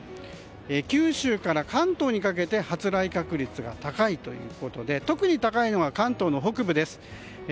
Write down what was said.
九州から関東にかけて発雷確率が高いということで特に高いのが関東の北部です。